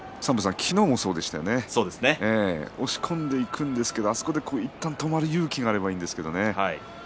昨日もそうですね押し込んでいくんですがあそこで、いったん止まる勇気があるといいんですけれどね。